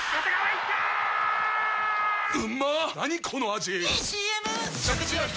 ⁉いいＣＭ！！